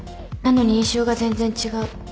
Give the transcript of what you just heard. なのに印象が全然違う